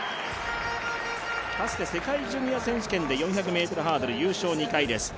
かつて世界ジュニア選手権で４００ｍハードル、優勝２回です。